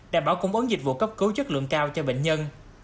đảm bảo cung ứng dịch vụ cấp cứu chất lượng cao cho bệnh nhân